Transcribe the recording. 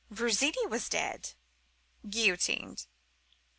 Virginie was dead—guillotined.